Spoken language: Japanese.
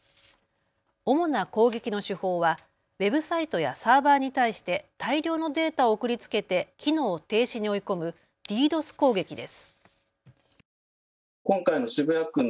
主な攻撃の手法はウェブサイトやサーバーに対して大量のデータを送りつけて機能停止に追い込むＤＤｏＳ攻撃です。